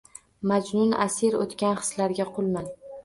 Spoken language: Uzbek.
Majnun asir o‘tgan hislarga qulman.